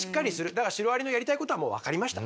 だからシロアリのやりたいことはもう分かりました。